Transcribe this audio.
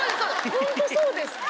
ホントそうですって。